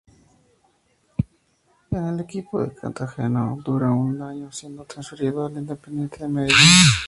En el equipo cartagenero dura un año siendo transferido al Independiente Medellín.